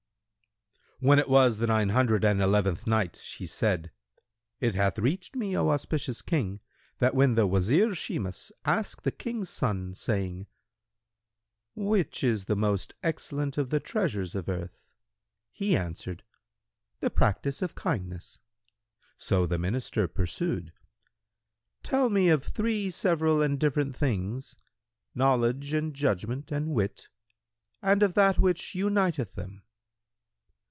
When it was the Nine Hundred and Eleventh Night, She said: It hath reached me, O auspicious King, that when the Wazir Shimas asked the King's son, saying, "Which is the most excellent of the treasures of earth?" he answered, "The practice of kindness." So the Minister pursued, "Tell me of three several and different things, knowledge and judgment and wit, and of that which uniteth them."